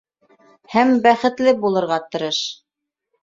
Һәм бәхетле булырға тырыш.